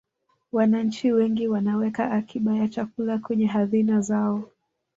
wananchi wengi wanaweka akiba ya chakula kwenye hadhina zao